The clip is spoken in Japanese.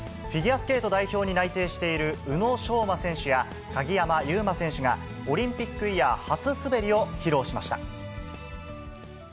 フィギュアスケート代表に内定している宇野昌磨選手や鍵山優真選手がオリンピックイヤー初滑りを披露しました。